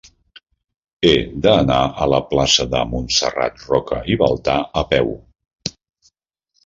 He d'anar a la plaça de Montserrat Roca i Baltà a peu.